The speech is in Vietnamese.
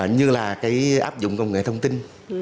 như là cái áp dụng công nghệ thông tin